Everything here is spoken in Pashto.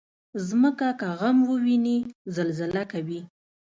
مځکه که غم وویني، زلزله کوي.